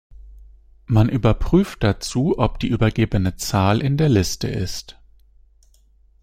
Man überprüft dazu, ob die übergebene Zahl in der Liste ist.